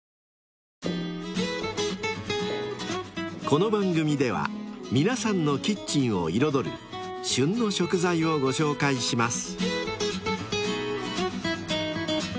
［この番組では皆さんのキッチンを彩る旬の食材をご紹介します］